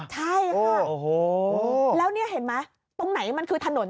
ใช่ค่ะแล้วนี่เห็นไหมตรงไหนมันคือถนน